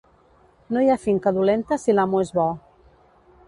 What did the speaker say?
No hi ha finca dolenta, si l'amo és bo.